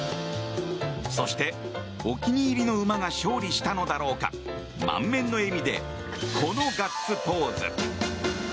そして、お気に入りの馬が勝利したのだろうか満面の笑みでこのガッツポーズ。